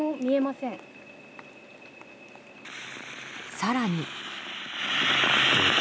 更に。